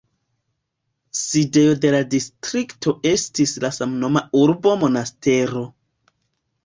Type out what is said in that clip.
Sidejo de la distrikto estis la samnoma urbo Monastero.